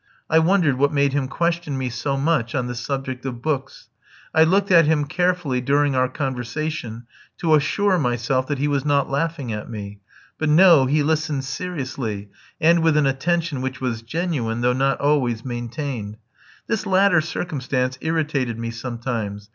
I wondered what made him question me so much on the subject of books. I looked at him carefully during our conversation to assure myself that he was not laughing at me; but no, he listened seriously, and with an attention which was genuine, though not always maintained. This latter circumstance irritated me sometimes.